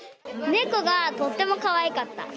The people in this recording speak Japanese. ネコがとってもかわいかった。